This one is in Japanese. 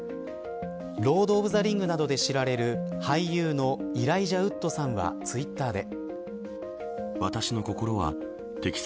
ロード・オブ・ザ・リングなどで知られる俳優のイライジャ・ウッドさんはツイッターで。